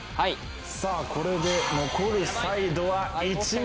さあこれで残るサイドは１枚。